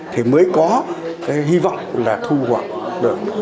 thì mới có hy vọng là thu hoạch được